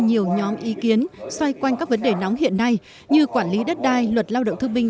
nhiều nhóm ý kiến xoay quanh các vấn đề nóng hiện nay như quản lý đất đai luật lao động thương binh